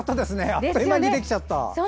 あっという間にできちゃった。